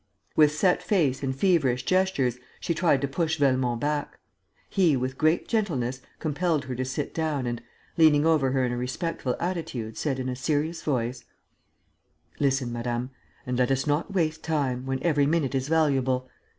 With set face and feverish gestures, she tried to push Velmont back. He, with great gentleness, compelled her to sit down and, leaning over her in a respectful attitude, said, in a serious voice: "Listen, madame, and let us not waste time, when every minute is valuable.